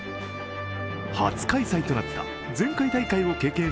初開催となった前回大会を経験し